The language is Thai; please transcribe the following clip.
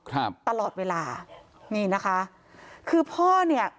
ครับตลอดเวลานี่นะคะคือพ่อเนี่ย